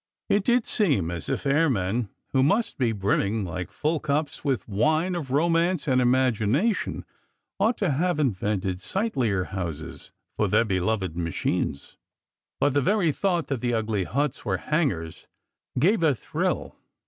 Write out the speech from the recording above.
It did seem as if airmen, who must be brimming like full cups with wine of romance and imagination, ought to have invented sightlier houses for their beloved machines. But 40 SECRET HISTORY 41 the very thought that the ugly huts were hangars gave a thrill.